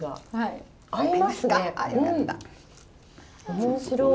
面白い。